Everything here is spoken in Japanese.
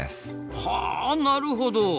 はあなるほど。